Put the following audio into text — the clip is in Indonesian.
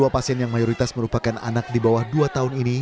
dua pasien yang mayoritas merupakan anak di bawah dua tahun ini